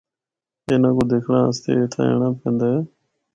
اِنّاں کو دکھنڑا آسطے اِتھّا اینڑا پیندا اے۔